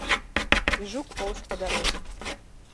І жук поўз па дарозе.